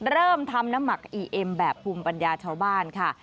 เริ่มทำน้ำหมักอีเอ็มแบบภูมิปัญญาชาวบ้านค่ะ